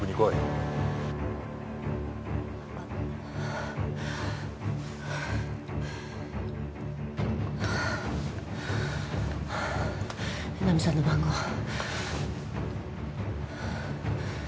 江波さんの番号。